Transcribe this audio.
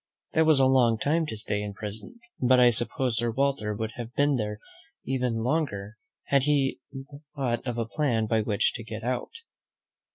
That was a long time to stay in prison; but, I sup pose. Sir Walter would have been there even longer had he not thought of a plan by which to get out.